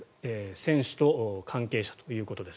選手と関係者ということです。